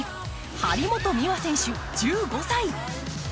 張本美和選手、１５歳。